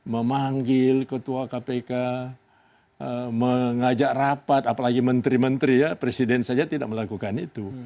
memanggil ketua kpk mengajak rapat apalagi menteri menteri ya presiden saja tidak melakukan itu